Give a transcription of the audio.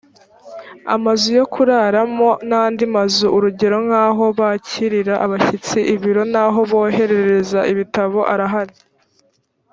amazu yo kuraramo n’ andi mazu urugero nk’ aho bakirira abashyitsi, ibiro, naho boherereza ibitabo arahari